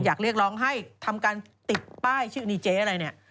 เรียกร้องให้ทำการติดป้ายชื่อดีเจ๊อะไรเนี่ย